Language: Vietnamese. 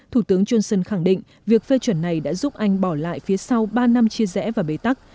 thủ tướng johnson khẳng định việc phê chuẩn này đã giúp anh bỏ lại phía sau ba năm chia rẽ và bế tắc